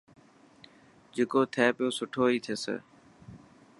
جڪو ٿي پيو سٺو هي ٿيي.